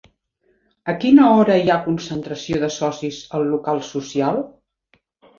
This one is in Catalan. A quina hora hi ha concentració de socis al local social?